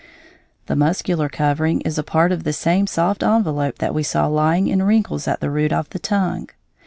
The muscular covering is a part of the same soft envelope that we saw lying in wrinkles at the root of the tongue.